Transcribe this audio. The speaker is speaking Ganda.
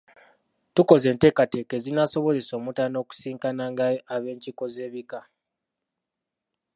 Tukoze enteekateeka ezinaasobozesa Omutanda okusisinkananga ab’enkiiko z’ebika.